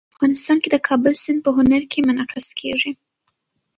افغانستان کې د کابل سیند په هنر کې منعکس کېږي.